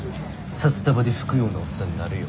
札束で拭くようなおっさんになるよ。